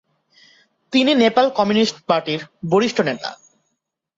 তিনি নেপাল কমিউনিস্ট পার্টির বরিষ্ঠ নেতা।